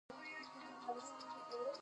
چارې یې پر غاړه واخلو.